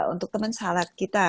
untuk temen salad kita